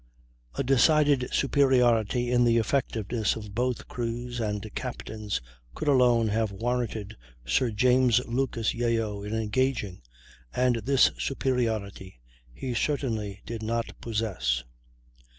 A decided superiority in the effectiveness of both crews and captains could alone have warranted Sir James Lucas Yeo in engaging, and this superiority he certainly did not possess.